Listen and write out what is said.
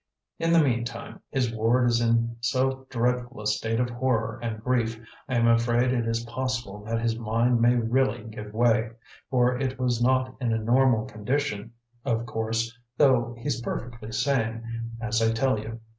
In the mean time, his ward is in so dreadful a state of horror and grief I am afraid it is possible that his mind may really give way, for it was not in a normal condition, of course, though he's perfectly sane, as I tell you.